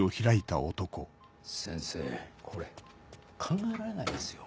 先生これ考えられないですよ。